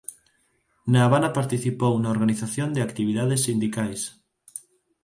Na Habana participou na organización de actividades sindicais.